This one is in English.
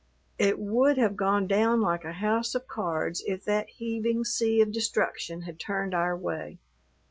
It would have gone down like a house of cards if that heaving sea of destruction had turned our way.